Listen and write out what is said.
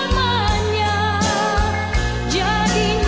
mahu dia lihat webbims ingat